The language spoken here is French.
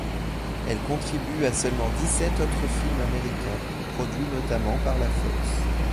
Elle contribue à seulement dix-sept autres films américains, produits notamment par la Fox.